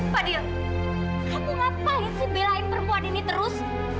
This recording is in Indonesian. fadil kamu ngapain sih belain perempuan ini terus